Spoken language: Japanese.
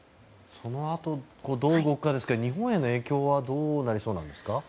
そのあとどう動くかですけど日本への影響はどうなりそうですか。